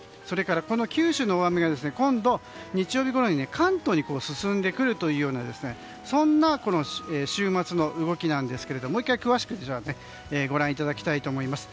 この九州の大雨が日曜日ごろに関東に進んでくるというようなそんな週末の動きなんですけどもう１回、詳しくご覧いただきたいと思います。